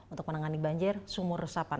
untuk menangani banjir sumur resapan